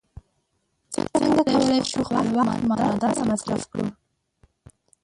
څنګه کولی شو خپل وخت معنا داره مصرف کړو.